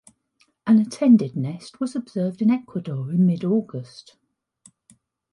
An attended nest was observed in Ecuador in mid-August.